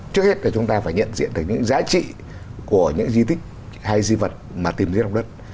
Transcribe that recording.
trước hết chúng ta phải nhận diện được những giá trị của những di tích hay di vật mà tìm ra trong đất